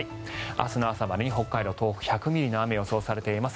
明日の朝までに北海道、東北１００ミリの雨が予想されています。